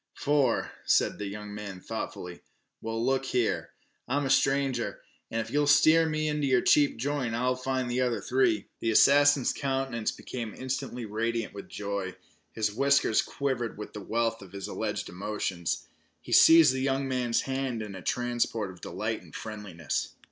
"Four," said the young man thoughtfully. "Well, look here, I'm a stranger here, an' if ye'll steer me to your cheap joint I'll find the other three." The assassin's countenance became instantly radiant with joy. His whiskers quivered with the wealth of his alleged emotions. He seized the young man's hand in a transport of delight and friendliness.